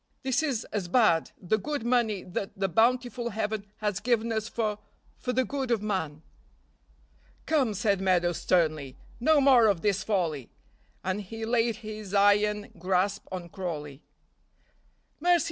This is as bad; the good money that the bountiful Heaven has given us for for the good of man." "Come," said Meadows sternly, "no more of this folly," and he laid his iron grasp on Crawley. "Mercy!